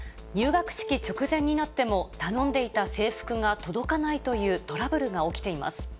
入学式直前になっても、頼んでいた制服が届かないというトラブルが起きています。